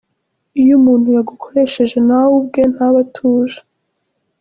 Iyo umuntu yagukoshereje nawe ubwe ntaba atuje.